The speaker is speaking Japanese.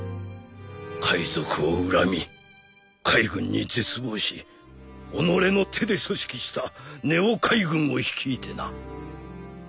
海賊を恨み海軍に絶望し己の手で組織したＮＥＯ海軍を率いてな。